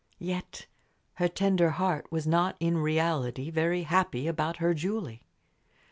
Yet her tender heart was not in reality very happy about her Julie.